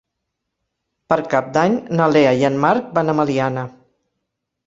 Per Cap d'Any na Lea i en Marc van a Meliana.